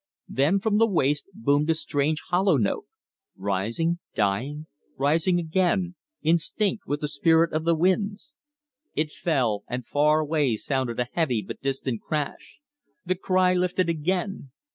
Then from the waste boomed a strange, hollow note, rising, dying, rising again, instinct with the spirit of the wilds. It fell, and far away sounded a heavy but distant crash. The cry lifted again.